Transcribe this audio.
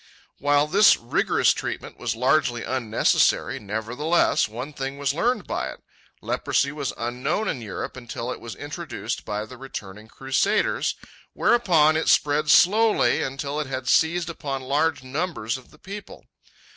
While this rigorous treatment was largely unnecessary, nevertheless, one thing was learned by it. Leprosy was unknown in Europe until it was introduced by the returning Crusaders, whereupon it spread slowly until it had seized upon large numbers of the people.